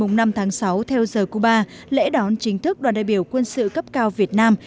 ngày năm tháng sáu theo giờ cuba lễ đón chính thức đoàn đại biểu quân sự cấp cao việt nam